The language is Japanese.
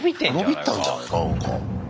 伸びたんじゃないかなんか。